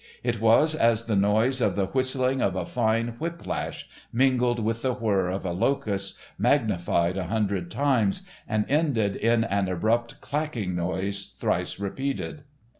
It was as the noise of the whistling of a fine whiplash, mingled with the whirr of a locust magnified a hundred times, and ended in an abrupt clacking noise thrice repeated.